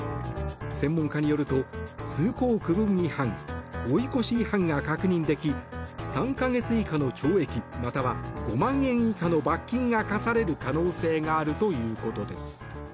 専門家によると、通行区分違反追い越し違反が確認でき３か月以下の懲役または５万円以下の罰金が科される可能性があるということです。